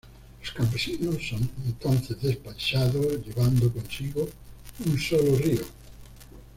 Los campesinos son entonces despachados, llevando consigo un solo ryō.